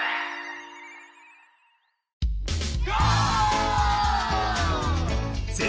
ゴー！